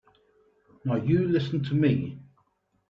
Now you listen to me.